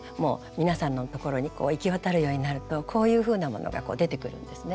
皆さんのところに行き渡るようになるとこういうふうなものが出てくるんですね。